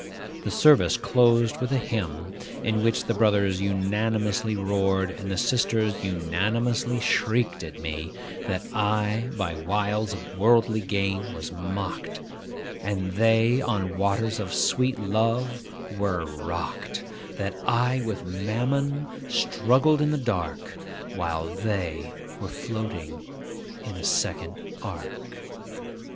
The service closed with a hymn, in which the brothers unanimously roared, and the sisters unanimously shrieked at me, That I by wiles of worldly gain was mocked, and they on waters of sweet love were rocked; that I with mammon struggled in the dark, while they were floating in a second ark.